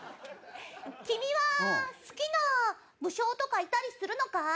「君は好きな武将とかいたりするのかい？